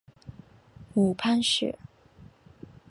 母潘氏。